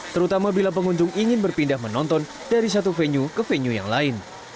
terutama bila pengunjung ingin berpindah menonton dari satu venue ke venue yang lain